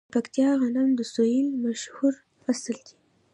د پکتیکا غنم د سویل مشهور فصل دی.